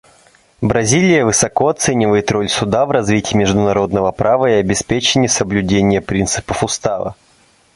Бразилия высоко оценивает роль Суда в развитии международного права и обеспечении соблюдения принципов Устава.